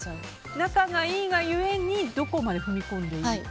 仲がいいがゆえにどこまで踏み込んでいいか。